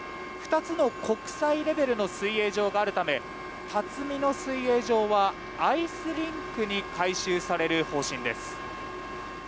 ２つの国際レベルの水泳場があるため辰巳の水泳場はアイスリンクに改修される方針です。